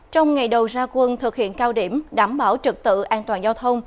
trong ngày đầu ra quân thực hiện cao điểm đảm bảo trực tự an toàn giao thông